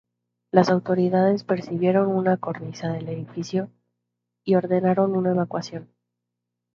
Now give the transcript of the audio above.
Las autoridades percibieron una cornisa del edificio y ordenaron una evacuación.